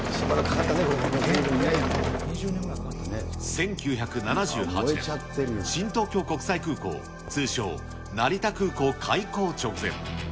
１９７８年、新東京国際空港、通称、成田空港開港直前。